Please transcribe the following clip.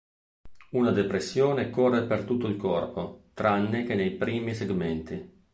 Una depressione corre per tutto il corpo, tranne che nei primi segmenti.